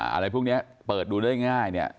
อะไรพวกนี้เปิดดูได้ง่าย